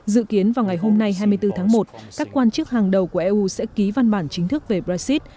dự kiến vào ngày hôm nay hai mươi bốn tháng một các quan chức hàng đầu của eu sẽ ký văn bản chính thức về brexit